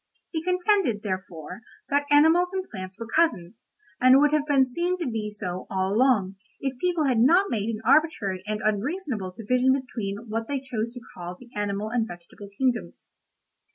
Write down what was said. He contended, therefore, that animals and plants were cousins, and would have been seen to be so, all along, if people had not made an arbitrary and unreasonable division between what they chose to call the animal and vegetable kingdoms.